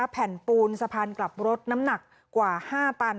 แผ่นปูนสะพานกลับรถน้ำหนักกว่า๕ตัน